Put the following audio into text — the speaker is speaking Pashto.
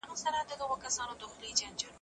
هرځل چې شفافیت موجود وي، اعتماد زیاتېږي.